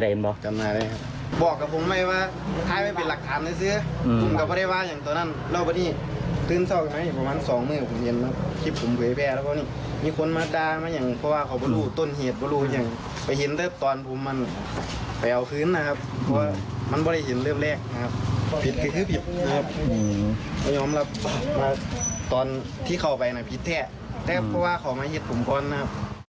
แต่ว่าเขามาเห็นผมพอลครับ